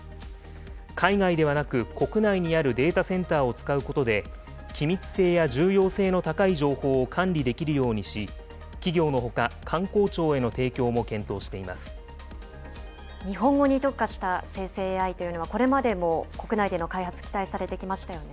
海外ではなく、国内にあるデータセンターを使うことで、機密性や重要性の高い情報を管理できるようにし、企業のほか、官公庁への日本語に特化した生成ＡＩというのは、これまでも国内での開発、期待されてきましたよね。